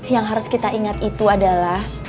yang harus kita ingat itu adalah